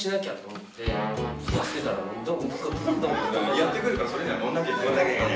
やって来るからそれには乗んなきゃいけない。